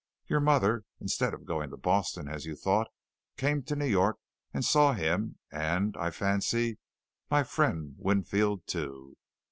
Your mother, instead of going to Boston as you thought, came to New York and saw him and, I fancy, my friend Winfield, too.